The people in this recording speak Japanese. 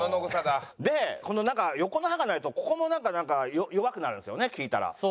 でこの横の歯がないとここもなんか弱くなるんですよね聞いたら。